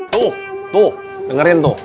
tuh tuh dengerin tuh